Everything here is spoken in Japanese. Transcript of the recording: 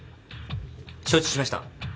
承知しました。